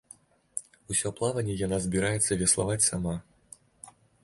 Усё плаванне яна збіраецца веславаць сама.